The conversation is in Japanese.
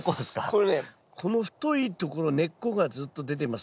これねこの太いところ根っこがずっと出てますよね。